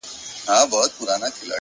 د بېوفا لفظونه راوړل’